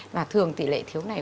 và thường tỷ lệ thiếu này